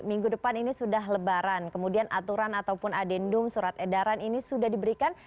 minggu depan ini sudah lebaran kemudian aturan ataupun adendum surat edaran ini sudah diberikan